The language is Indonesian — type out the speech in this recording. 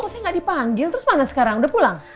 kok saya gak dipanggil terus mana sekarang udah pulang